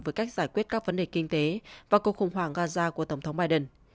với cách giải quyết các vấn đề kinh tế và cuộc khủng hoảng gaza của tổng thống biden